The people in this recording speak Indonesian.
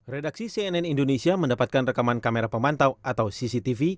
redaksi cnn indonesia mendapatkan rekaman kamera pemantau atau cctv